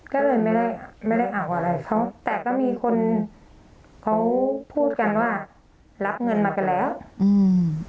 ก็เลยไม่ได้ไม่ได้เอาอะไรเขาแต่ก็มีคนเขาพูดกันว่ารับเงินมากันแล้วอืม